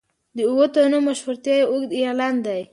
د اوو تنو مشهورتیا یو اوږده اعلان دی.